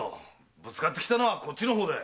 ぶつかってきたのはそっちの方だ。